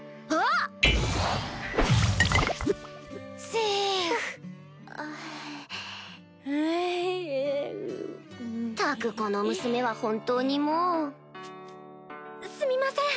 ったくこの娘は本当にもうすみません